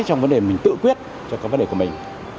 trong vấn đề mình tự quyết cho các vấn đề của mình